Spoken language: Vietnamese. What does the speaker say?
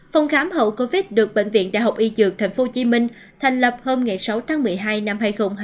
phòng khám hậu covid được bệnh viện đại học y dược tp hcm thành lập hôm sáu tháng một mươi hai năm hai nghìn hai mươi